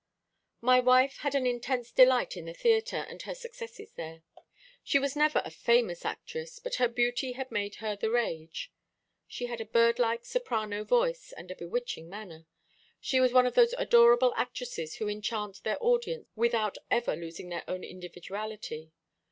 "My wife had an intense delight in the theatre, and her successes there. She was never a famous actress; but her beauty had made her the rage. She had a birdlike soprano voice, and a bewitching manner. She was one of those adorable actresses who enchant their audience without ever losing their own individuality.